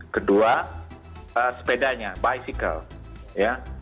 kedua sepedanya bicyclist